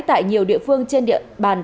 tại nhiều địa phương trên địa bàn